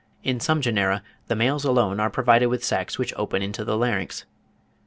In some genera the males alone are provided with sacs which open into the larynx.